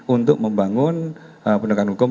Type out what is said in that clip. untuk membangun penegakan hukum